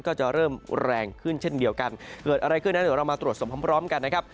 ก็จะเริ่มแรงขึ้นเช่นเดียวกันเกิดอะไรขึ้นนั้นเดี๋ยวเรามาตรวจสอบพร้อมพร้อมกันนะครับ